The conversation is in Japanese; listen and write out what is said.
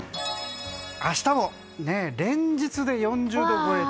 明日も連日で４０度超え。